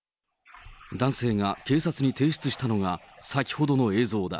男性が警察に提出したのが、先ほどの映像だ。